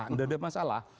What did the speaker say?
tidak ada masalah